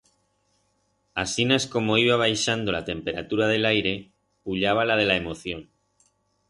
Asinas como iba baixando la temperatura de l'aire, puyaba la de la emoción.